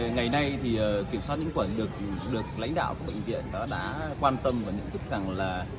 ngày nay thì kiểm soát nhiễm quẩn được lãnh đạo của bệnh viện đã quan tâm và nhận thức rằng là